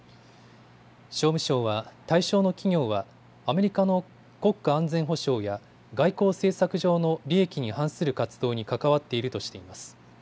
商務省は対象の企業はアメリカの国家安全保障や外交政策上の利益に反する活動に関わっているとしています。